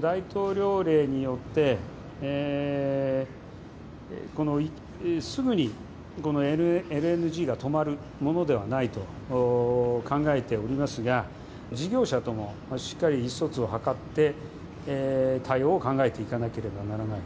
大統領令によってすぐにＬＮＧが止まるものではないと考えておりますが事業者ともしっかり意思疎通を図って対応を考えていかなければならない。